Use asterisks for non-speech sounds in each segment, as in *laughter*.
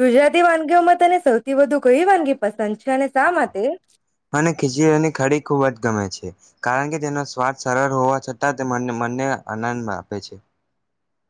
ગુજરાતી વાનગીઓમાં તને સૌથી વધુ કઈ વાનગી પસંદ છે અને શા માટે? મને ખીચડીની કઢી ખૂબ જ ગમે છે કારણ કે તેનો સ્વાદ સરળ હોવા છતાં તે મનને મનને આનંદ આપે છે.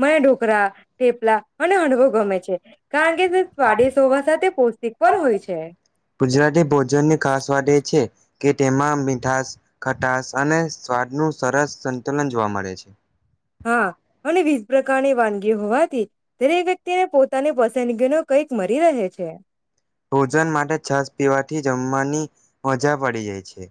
મને ઢોકરા થેપલા અને હંડવો ગમે છે કારણ કે તે સ્વાદિષ્ટ હોવા સાથે પૌષ્ટિક પણ હોય છે. ગુજરાતી ભોજન ની ખાસ વાત એ છે. કે તેમાં મીઠાસ, ખટાસ અને સ્વાદ નું સરસ સંતુલન જોવા મળે છે. હા અને બીજું પ્રકારની વાનગી હોવાથી દરેક વ્યક્તિને પોતાની પસંદગીનું કંઈક મર્યા રહે છે. ભોજન માટે છાસ પીવાથી જમવાની મજા પડી જાય છે.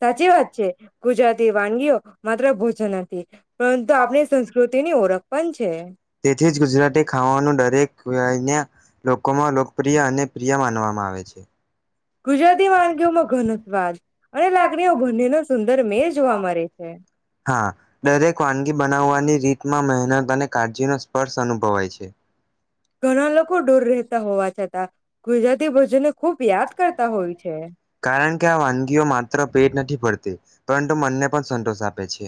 સાચી વાત છે. ગુજરાતી તે વાનગીઓ માત્ર ભોજન હતી. પરંતુ આપણી સંસ્કૃતિ ની ઓળખ પણ છે. તેથી જ ગુજરાતી ખાવાનું દરેક વ્યયના લોકોમાં લોકપ્રિય અને પ્રિય માનવામાં આવે છે. ગુજરાતી વાનગીઓમાં ઘનસ્વાદ અને લાગણીઓ બંનેનો સુંદર મેલ જોવા મળે છે. હા, દરેક વાનગી બનાવવાની રીતમાં મહેનત અને કાળજીનો સ્પર્શ અનુભવાય છે. ઘણા લોકો દૂર રહેતા હોવા છતાં ગુજરાતી ભોજન કારણ કે આ વાનગીઓ માત્ર પેટ નથી ભરતી. પરંતુ મનને પણ સંતોષ આપે છે.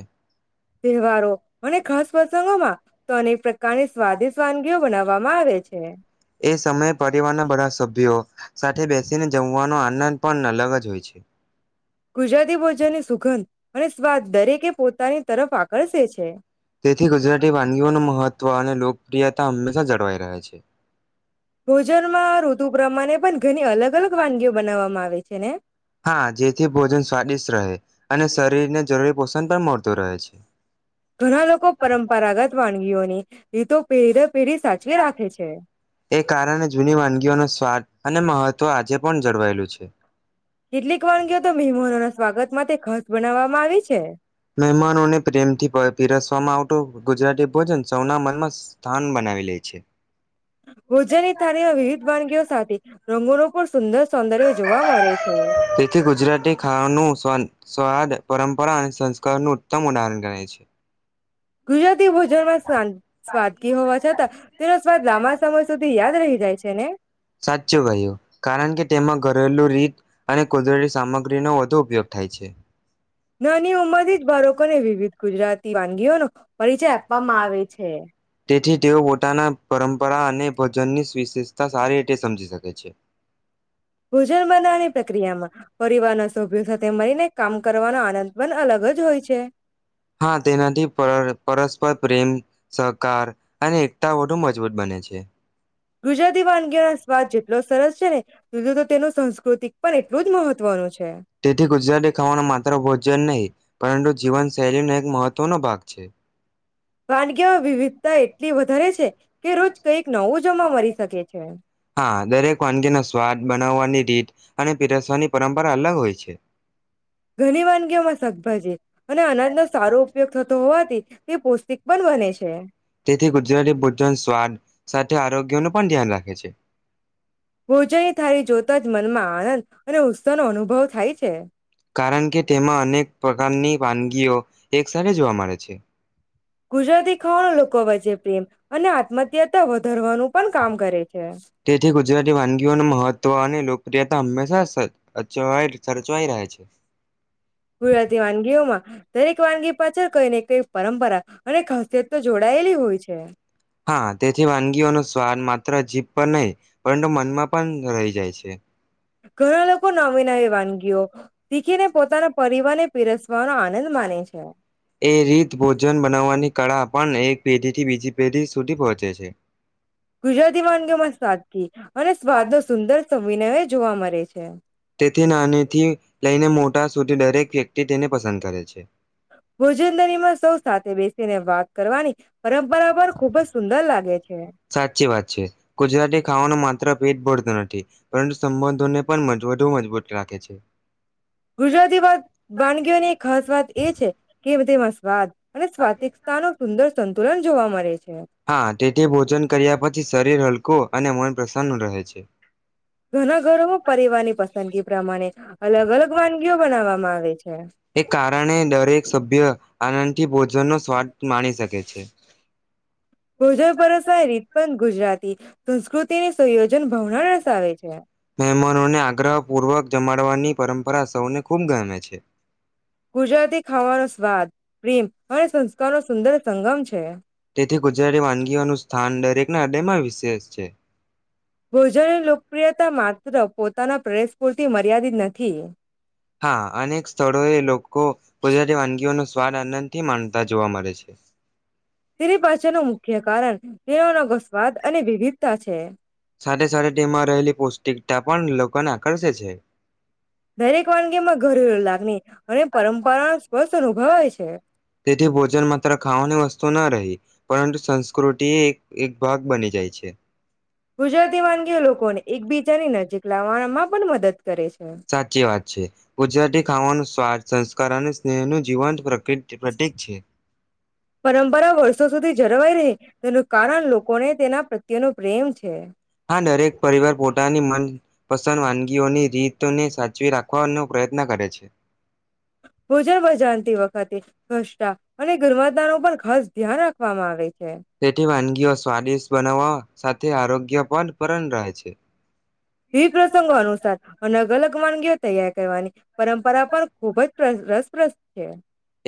તહેવારો અને ખાસ પ્રસંગોમાં તો અને પ્ર કારણે સ્વાદિષ્ટ વાનગીઓ બનાવ જવામાં આવે છે. એ સમયે પરિવારના બધા સભ્યો સાથે બેસીને જમવાનો આનંદ પણ અલગ જ હોય છે. ગુજરાતી ભોજનની સુગંધ અને સ્વાદ દરેકે પોતાની તરફ આકર્ષે છે. તેથી યથા હંમેશા જળવાઈ રહે છે. ભોજનમાં ઋતુ પ્રમાણે પણ ઘણી અલગ અલગ વાનગીઓ બનાવવામાં આવે છે એમ હા જેથી ભોજન સ્વાદિષ્ટ રહે અને શરીર જરૂરી પોષણ પણ મળતું રહે છે. ઘણા લોકો પરંપરાગત વાનગીઓને એ તો પેર એ કારણે જૂની વાનગીઓનો સ્વાદ અને મહત્વ આજે પણ જળવાયેલું છે. કેટલીક વાનગીઓ તો મહેમનોના સ્વાગતમાં ખ બનાવવામાં આવી છે. મહેમાનોને પ્રેમથી પીરસવામાં આવતું ગુજરાતી ભોજન સૌના મનમાં સ્થાન બનાવી લે છે. ભોજનની થાળમાં વિવિધ વાનગીઓ સાથે રંગોનું પણ સુંદર સૌંદર્ય જોવા મળે છે. તેથી ગુજરાતી ખાવાનું સ્વાદ પરંપરા અને સંસ્કારનું ઉત્તમ ઉદાહરણ ગણાય છે. ગુજરાતી ભોજનમાં શાં સ્વાદગી હોવા છતાં તેનો સ્વાદ લાંબા સમય સુધી યાદ રહી જાય છે ને. સાચું કહ્યું કારણ કે તેમાં ઘરેલું રીત અને કુદરતી સામગ્રીનો વધુ ઉપયોગ થાય છે. નાની ઉંમરથી જ બાળકોને વિવિધ ગુજરાતી વાનગીઓને પરિચય આપવામાં આવે છે. તેથી તેઓ પોતાના પરંપરા અને ભજનની વિશેષતા સારી રીતે સમજી શકે છે. ભોજન બનાવવાની પ્રક્રિયામાં પરિવારના સભ્યો સાથે મળીને કામ કરવાનો આનંદ પણ અલગ જ હોય છે હા તેનાથી પર પરસ્પર પ્રેમ સહકાર અને એકતા વધુ મજબૂત બને છે ગુજરાતી વાનગીઓ ના સ્વાદ જેટલો સરસ છે એટલો તો તેનો સંસ્કાર તેથી ગુજરાતી ખાવાનું માત્ર ભોજન નહી પરંતુ જીવનશૈલીનો એક મહત્ત્વનો ભાગ છે. વાનગી વિવિધતા એટલી વધારે છે કે રોજ કઈક નવું જમા મળી શકે છે. હા, દરેક વાનગીનો સ્વાદ, બનાવવાની રીત અને પીરસવાની પરંપરા અલગ હોય છે. ઘણી વાનગીઓમાં શાકભાજી. અને અનાજનો સારો ઉપયોગ થતો હોવાથી તે પૌષ્ટિક. પણ *unintelligible* બને તેથી છે. જેથી ગુજરાતી ભોજન સ્વાદ. સાથે આરોગ્યનું પણ ધ્યાન રાખે છે. ભોજનની થારી જોતા જ મનમાં. આનંદ અને ઉત્સાહ નો અનુભવ થાય છે. કારણ કે તેમાં અનેક પ્રકારની વાનગીઓ એક સાથે જોવા મળે છે. ગુજરાતી ખાવાનો લોકો વચ્ચે પ્રેમ અને આત્મત્યાતા વધારવાનું પણ કામ કરે છે. તેથી પ્રિયાતા હંમેશા સ સચવા સચવાય રહે છે. ગુજરાતી વાનગીઓમાં દરેક વાનગી પાછળ કઈ ને કઈ. પરંપરા અને ખાસિયત તો. જોડાયેલી હોય છે. હા તેથી વાનગીઓનો સ્વાદ માત્ર જીભ પર નહી પરંતુ મનમાં પણ રઈ જાય છે. ઘણા લોકો નવી નાવી વાનગીઓ. શીખીને પોતાના પરિવારને પીરસ એ રીત ભોજન બનાવાની કળા પણ એક પેઢી થી બીજી પેઢી સુધી પહોંચે છે. ગુજરાતી વાનગીઓમાં સાદગી અને સ્વાદ નો સુંદર સંવિનયજ જોવા મરે છે. તેથી નાનીથી લઈને મોટા સુધી દરેક વ્ય તે તેને પસંદ કરે છે. ભોજનલરીમાં સૌ સાથે બેસીને વાત કરવાની પરંપરા પર ખુબ જ સુંદર લાગે છે. સાચી પેઠ ભરતું નથી પરંતુ સંબંધોને પણ મજબૂતો મજબૂત રાખે છે. ગુજરાતીવાદ વાનગીઓની ખાસ વાત એ છે કે તેમાં સ્વાદ અને સ્વાતિકતાનો સુંદર સંતુલન જોવા મળે છે. હા તેથી ભોજન કર્યા પછી શરીર હલ કુ અને મન પ્રસન્ન રહે છે. ઘણા ઘરોમાં પરિવારની પસંદગી પ્રમાણ છે. એ કારણે દરેક સભ્ય આનંદથી ભોજનનો સ્વાદ માણી શકે છે. ભોજન પરસવાય રીત પણ ગુજરાત તી સંસ્કૃતિની સંયોજન ભાવના રસ આવે છે. મહેમાનોને આગ્રહ પૂર્વક જમાડવાની પરંપરા સૌને ખૂબ ગમે છે. ગુજરાતી ખાવાનો સ્વાદ પ્રેમ અને સંસ્કારો સુંદર સંગમ છે. તેથી ગુજરાતી વાનગીઓનું સ્થાન દરેકના હૃદયમાં વિશેષ છે. ભોજન નો લોકપ્રિયતા મા *unintelligible* પોતાના પ્રવેશ પૂરતી મર્યાદિત નથી. હા અનેક સ્થળોએ લોકો પોઝિટિવ અન નો સ્વાદ આનંદથી માણતા જોવા મળે છે. તેની પાછળનનો મુખ્ય કારણ *unintelligible* સ્વાદ અને વિવિધતા છે. સાથે સાથે ટેમાં રહેલી પૌષ્ટિકટા પણ લોકો ના કરસે છે. દરેક વાનગીમાં *unintelligible* લાગની અને પરંપરાન સ્પસ અનુભવાય છે. તેથી ભોજન માત્ર ખાવાની વસ્તુ ન રહી, પરંતુ સંસ્કૃ કૃટી એક એક ભાગ બની જાય છે. ગુજરાતી વાનગીઓ લોકોને એકબીજાની નજીક લાવણામાં પણ મદદ કરે છે. સાચી વાત છે, ગુજરાતી ખાવાનું સ્વાદ, સંસ્કાર અને સ્નેહનું જીવંત પ્ર પરંપરા વર્ષો સુધી જરવાઈ રહે તેનું કારણ લોકોને તેના પ્રત્યેનો પ્રેમ છે. આ દરેક પરિવાર પોટાની મનપસંદ વાનગીઓની રીત તોને સાચવી રાખવાનો પ્રયત્ન કરે છે. ભોજન બઝાનતી વખતે ઘસ્ટા અને ઘરમાતાનો પણ ખાસ ધ્યાન રાખવામાં આવે છે. તેઠી વાનગીઓ સ્વાદિષ્ટ બનાવવા સાથે આરોગ્ય પણ પરણ રહે છે. વિપ્રસંગો અનુસાર અનગ અલગ ક વાનગીઓ તૈયાર કરવાની પરંપરા પણ ખુબ જ પ્રશ રસપ્રસત છે.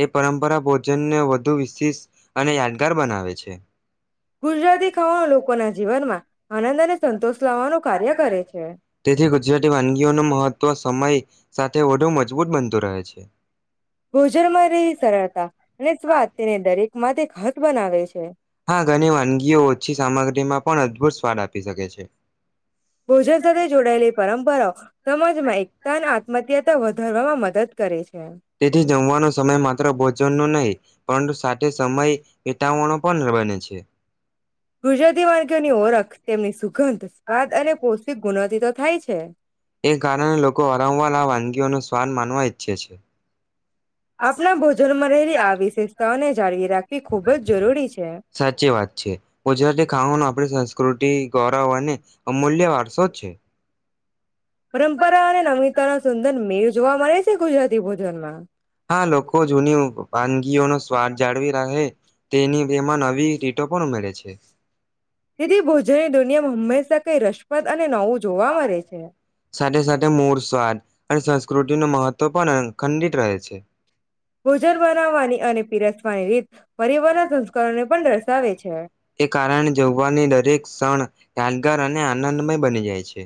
એ પરંપરા ભોજનને વધુ વિશિષ અને યાદગાર બનાવે છે. ગુજરાતી ખાવાનો લોગોના જીવનમાં આનંદ અને સંતોષ લાવવાનું કાર્ય કરે છે તેથી ગુજરાતી વાનગીઓ ન મહત્વ સમય.. સાથે વધુ મજબૂત બનતું રહે છે. ભોજન માં રહી સરળતા અને દરેક. એમાંથી ઘઠ બનાવે છે. હા ઘણી વાનગીઓ ઓછી સામગ્રીમાં. પણ અદભુત સ્વાદ આપી શકે છે. ભોજન સાથે જોડાયેલી પરંપરાઓ સમાજમાં એકતાના આત્મત્યાતા વધારવામાં મદદ. કરે છે. તેથી જમવાનો સમય માત્ર ભોજનો નહીં. પણ સાથે સમય. વિતાવણો પણ બને છે ગુજરાતી વાનગીઓની ઓળખ તેમની સુગંધ સ્વાદ અને પોૌષ્ટિક ગુણ. તે થાય છે. એ કારણે લોકો વાર વાર વાનગીઓનો સ્વાદ માનવા ઈચ્છે છે. આપણા ભોજનમાં રહેલી આ વિશેષતાઓને જાળવી રાખવી ખૂબ જ જરૂરી છે. *inaudible* સાચી વાત છે. ગજરા ખાવાનું આપણી સંસ્કૃત દે ગૌરવ. અમૂલ્ય વારસો છે. પરંપરા અને નમિતા ના સુંદર મેવ જોવા મળે છે. ગુજરાતી ભોજનમાં આ લોકો જૂની વાનગીઓ નો સ્વાદ જાળવી રાહે. તેની જેમા નવી *unintelligible* પણ ઉમેરે છે. તેથી ભોજનની દુનિયામાં હંમેશા કઈ રસ *unintelligible* અને નવુ *inaudible* સાથે સાથે મોર સ્વાદ અને ક્રૃતિનું મહત્વ પણ ખંડિત રહે છે. ભોજન બનાવવાની અને પીરસવાની રીત પરિવારના સંસ્કારોને પણ દર્શાવે છે. *inaudible* એ કારણે જવાની દરેક ક્ષણ યાદગાર અને આનંદમય બની જાય છે.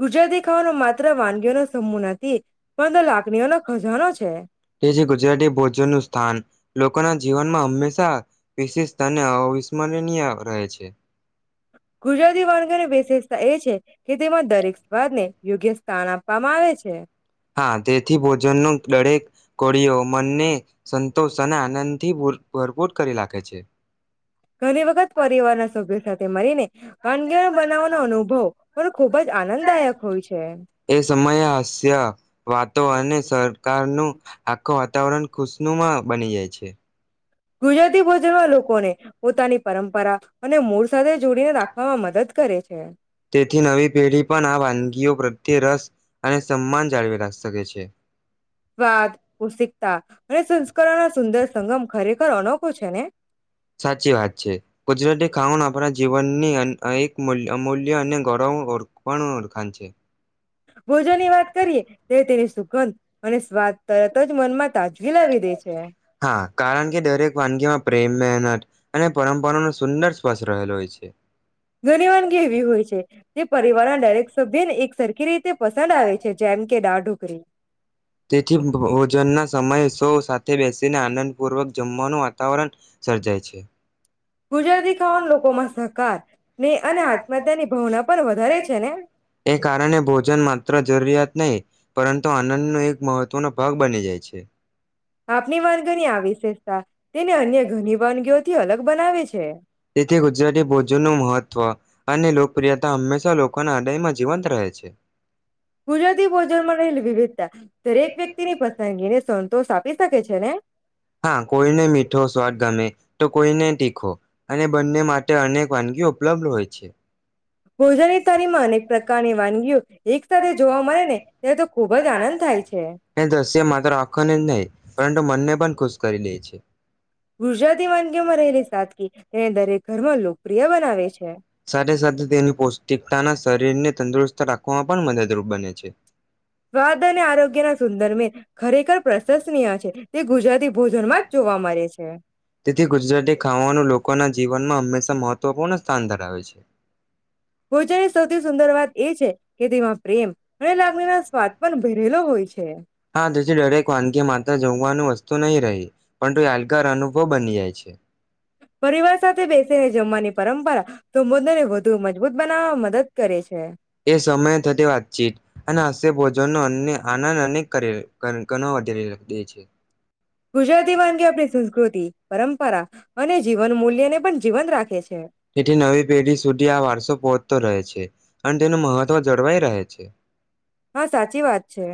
ગુજરાતી ખાવાનો માત્ર વાનગીઓ ન સમૂહ નથી. *unintelligible* લાગડ્યો નો ખજાનો છે. એ જે ગુજરાતી ભોજનનું સ્થાન લોકોના જીવનમાં હંમેશા *unintelligible* વિશેષ તાને. *unintelligible* રહે છે. એહ ગુજરાતી વાનગીની વિશેષતા એ છે કે તેમાં દરેક સ્વાદને યોગ્ય *unintelligible* છે. હા તેથી ભોજન નું દરેક કોરીયો મનને સંતોષ અને આનંદથી *unintelligible* ભરપૂર કરી લાખે છે. ઘણી વખત પરિવારના સભ્યો સાથે મળીને વાનંગી બનાવવાનો અનુભવ પણ ખૂબ જ આનંદદાયક હોય છે. *inaudible* એ સમયે હસ્ય વાતો અને સરકારનું આખો વાતાવરણ ખુશનુમાં બની જાય છે. એ. ગુજરાતી ભોજનમાં લોકોને પોતાની પરંપરા અને મૂળ સાથે જોડીને રાખવામાં મદદ કરે છે. તેથી નવી પેઢી પણ આ વાનગીઓ પ્રત્યે રસ અને સન્માન જાળવી રાખી શકે છે. સ્વાદ, કોષિકતા અને સંસ્કરણના સુંદર સંગમ ખરેખર અનોખ ખો છે ને? સાચી વાત છે, ગુજરાતી ખાવાનું આપણા જીવનની અન અય મૂલ્ય અમૂલ્ય અને *unintelligible* ઓળખાણ છે. ભોજન ની વાત કરીએ તે તેની સુગંધ- અને સ્વાદ તરત જ મનમાં તાજગી લાવી દે છે. હા કારણ કે દરેક વાનગીમાં પ્રેમ, મહેનત અને પરંપરાનો સુંદર સ્પર્શ રહેલો હોય છે. ઘણી વાનગી એવી હોય છે, તે પરિવારના દરેક સભ્યને એક સરખી રીતે પસંદ આવે છે, જ્યારે કે ડાઢું તેથી ભોજન ના સમયે તો સાથે બેસીને આનંદપૂર્વક જમવાનું વાતાવરણ સર્જાય છે. ગુજરાતી ખાવાનું લોકોમાં સહકાર ને અને આત્મહત્યાની ભાવના પણ વધારે છે ને એ કારણે ભોજન માત્ર જરૂરિયાત. નહી પરંતુ આનંદ નો એક. મહત્વનો ભાગ બની જાય છે. આપની વાનગીની આ વિશેષતા તેને અન્ય ઘણી વાનગીઓથી અલગ બનાવે છે. તેથી ગુજરાતી ભોજનનું મહત્ત્વ અને લોકપ્રિયતા હંમેશા લોકોના હદયમાં જીવંત રહે છે. ગુજરાતી ભોજનમાં રહેલી વિવિધતા દરેક વ્યક્તિની પસંદગી ને સંતોષ આપ પી શકે છે ને હા કોઈને મીઠો સ્વાદ ગમે તો કોઈને તીખો અને બંને માટે અનેક વાનગીઓ ઉપલબ્ધ હોય છે. ભોજન ની થાળીમાં અનેક પ્રકારની વાનગીઓ એક સાથે જોવા મળે ને ત્યારે તો ખૂબ જ આનંદ થાય છે. એ દ્રશ્ય માત્ર આંખોને જ નહીં પરંતુ મનને પણ ખુશ કરી લે છે. ગુજરાતી વાનગીઓ માં રહેલી સાદગી તેને દરેક ઘરવાલો સાથે સાથે તેની પૌષ્ટિકતાના શરીરને તંદુરસ્ત રાખવામાં પણ મદદરૂપ બને છે. સ્વાદ અને આરોગ્ય ના સુંદર મેળ ખરેખર પ્રશંસનીય છે. તે ગુજરાતી ભોજનમાં જ જોવા મળે છે. તેથી ગુજરાતી ખાવાનું લોકો ના જીવ જીવનમાં હંમેશા મહત્વપૂર્ણ સ્થાન ધરાવે છે. ભોજનની સૌથી સુંદર વાત એ છે કે તેમાં પ્રેમ અને લાગણીના સ્વાદ પણ ભરેલો હોય છે. હા તેથી દરેક વાનગી માત્ર જમવાનું વસ તો નહી રહી. પણ તું યાદગાર અ બની જાય છે. પરિવાર સાથે બેસીને જમવાની પરંપરા તો વધારે વધુ મજબૂત બનાવવાવામાં મદદ કરે છે એ સમયે થતી વાતચીત અને હાસ્ય ભોજનનો અન્ય આનંદ અનેક કર્યો ગ ગણો વધી રહ્યો રહે છે. ગુજરાતી વાનગી આપણી સંસ્કૃતિ પરંપરા અને જીવન મૂલ્ય ને પણ જીવંત રાખે છે. તેથી નવી પેઢી સુધી આ વારસો પહોંચતો રહે છે અને તેનું મહત્વ જળવાઈ રહે છે. હા સાચી વાત છે.